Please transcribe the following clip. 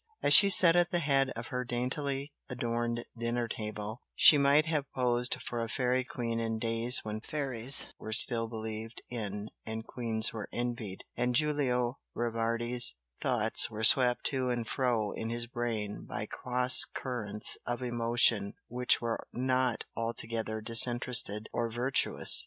As she sat at the head of her daintily adorned dinner table she might have posed for a fairy queen in days when fairies were still believed in and queens were envied, and Giulio Rivardi's thoughts were swept to and fro in his brain by cross currents of emotion which were not altogether disinterested or virtuous.